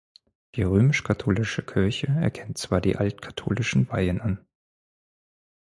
Die römisch-katholische Kirche erkennt zwar die alt-katholischen Weihen an.